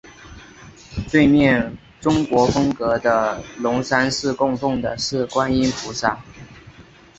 对面中国风格的龙山寺供奉的是观音菩萨。